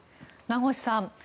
名越さん